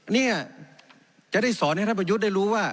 เนี่ยจะได้สอนให้ท่านประยุทธ์ได้รู้ว่า